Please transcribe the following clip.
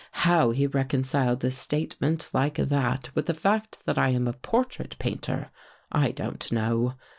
How he reconciled a statement like that 174 BEECH HILL with the fact that I am a portrait painter, I don't know.